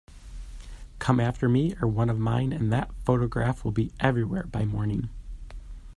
Come after me or one of mine, and that photograph will be everywhere by morning.